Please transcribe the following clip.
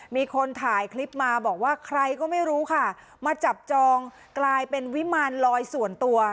มีคนถ่ายคลิปมาบอกว่าใครก็ไม่รู้ค่ะมาจับจองกลายเป็นวิมารลอยส่วนตัว